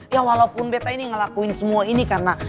ya walaupun beta ini ngelakuin semua ini karena